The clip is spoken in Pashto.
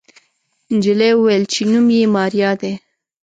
نجلۍ وويل چې نوم يې ماريا دی.